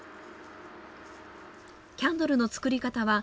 キャンドルの作り方は。